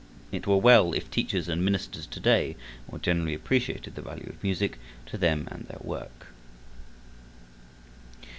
It were well if teachers and ministers to day more generally appreciated the value of music to them and their work.